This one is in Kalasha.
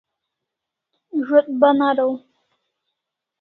Zo't ban araw